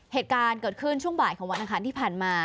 เหตุการณ์เกิดขึ้นช่วงบ่ายของวันอังคารที่ผ่านมา